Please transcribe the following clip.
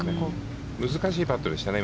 難しいパットでしたね。